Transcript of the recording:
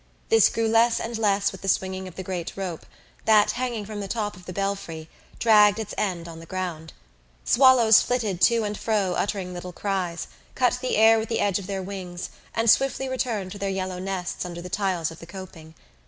This grew less and less with the swinging of the great rope that, hanging from the top of the belfry, dragged its end on the ground. Swallows flitted to and fro uttering little cries, cut the air with the edge of their wings, and swiftly returned to their yellow nests under the tiles of the coping.